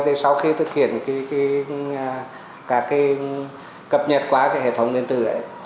các cái cập nhật quá cái hệ thống liên tử ấy